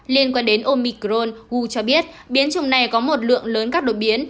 liên quan đến omicron huu cho biết biến chủng này có một lượng lớn các đột biến